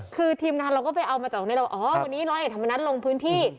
คือทีมงานเราก็ไปเอามาจากตรงนี้แล้วอ๋อวันนี้ร้อยเอกธรรมนัฐลงพื้นที่